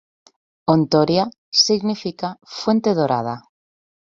Hontoria significa ""fuente dorada"".